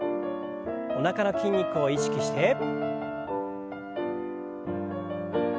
おなかの筋肉を意識して。